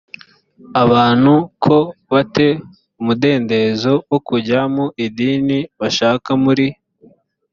abantu ko ba te umudendezo wo kujya mu idini bashaka muri